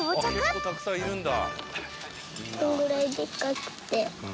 けっこうたくさんいるんだ。